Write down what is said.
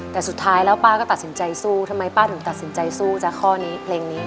แต่สุดท้ายแล้วป้าก็ตัดสินใจสู้ทำไมป้าถึงตัดสินใจสู้จ้ะข้อนี้เพลงนี้